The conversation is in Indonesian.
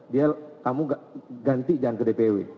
dia kamu ganti jangan ke dpw